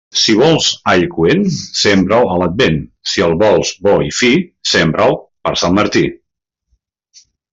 Si vols all coent, sembra'l a l'Advent; si el vols bo i fi, sembra'l per Sant Martí.